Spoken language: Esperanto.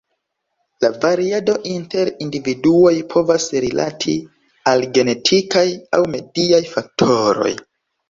La variado inter individuoj povas rilati al genetikaj aŭ mediaj faktoroj.